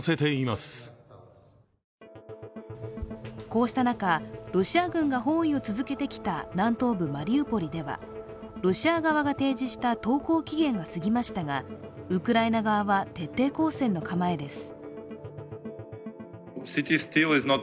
こうした中、ロシア軍が包囲を続けてきた南東部マリウポリではロシア側が提示した投降期限が過ぎましたがウクライナ側は徹底抗戦の構えです。